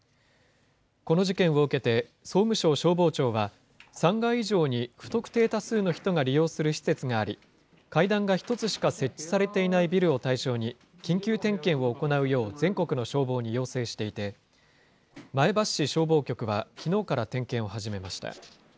この事件を受けて、総務省消防庁は、３階以上に不特定多数の人が利用する施設があり、階段が１つしか設置されていないビルを対象に、緊急点検を行うよう全国の消防に要請していて、前橋市消防局はきのうから点検を始めました。